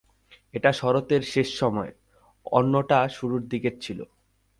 এটা শরৎের শেষ সময়ের, অন্যটা শুরুর দিকের ছিল।